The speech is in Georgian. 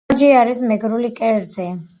ელარჯი არის მეგრული კერძი